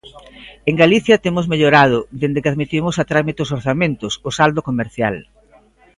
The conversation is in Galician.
En Galicia temos mellorado, dende que admitimos a trámite os orzamentos, o saldo comercial.